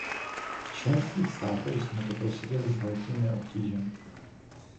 V členských státech jsme to prosadili s velkými obtížemi.